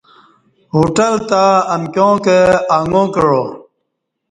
ہوٹل تہ ایمو کں اݣہ کعا